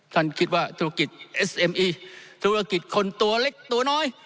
ท่านคิดว่าธุรกิจเอสเอ็มอีธุรกิจคนตัวเล็กตัวน้อย